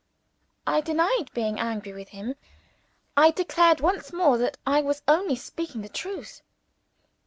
I denied being angry with him; I declared, once more, that I was only speaking the truth.